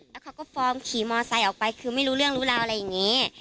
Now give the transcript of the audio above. แล้วเขาก็ฟอร์มขี่มอไซค์ออกไปคือไม่รู้เรื่องรู้ราวอะไรอย่างนี้